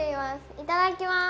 いただきます！